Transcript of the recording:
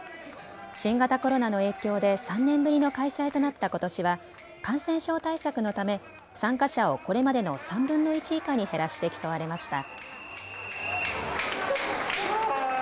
新型コロナの影響で３年ぶりの開催となったことしは感染症対策のため参加者をこれまでの３分の１以下に減らして競われました。